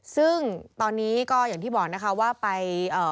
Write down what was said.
ซึ่งตอนนี้ก็อย่างที่บอกนะคะว่าไปเอ่อ